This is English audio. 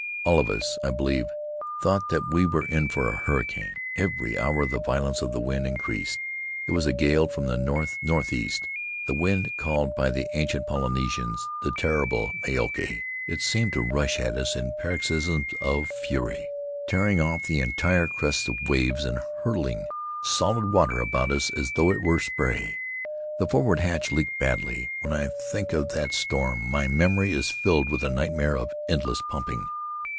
'All of us, I believe, thought that we were in for a hurricane. Every hour the violence of the wind in creased; it was a gale from the north northeast — the wind called by the ancient Polynesians the Terrible Maoake. It seemed to rush at us in paroxysms of fury, tearing off the entire crests of waves and hurling solid water about as though it were spray. The forward hatch leaked badly; when I think of that storm my memory is filled with a nightmare of endless pumping.